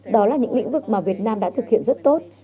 đó là những lĩnh vực mà việt nam đã thực hiện rất tốt